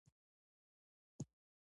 د اړینو بشري سرچینو نشتون غربت لوړ ساتلی.